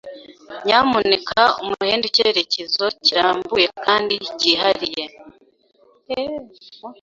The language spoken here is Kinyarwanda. Nyamuneka umuhe icyerekezo kirambuye kandi cyihariye.